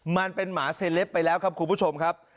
มันเป็นหมาเซเลปไปแล้วครับคุณผู้ชมครับ